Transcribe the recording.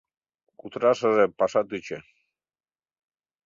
Кутырашыже паша тӱчӧ!